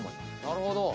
なるほど。